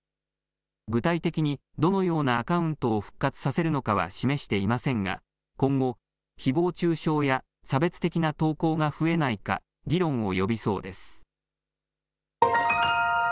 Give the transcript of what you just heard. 具体的にどのようなアカウントを復活させるのかは示していませんが、今後、ひぼう中傷や差別的な投稿が増えないか、議論を呼びそうです。